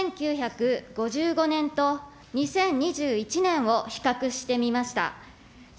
１９５５年と２０２１年を比較してみました。